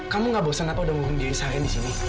kamu gak bosan apa udah ngurung diri seharian disini